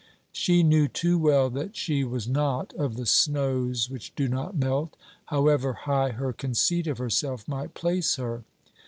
She knew too well that she was not of the snows which do not melt, however high her conceit of herself might place her.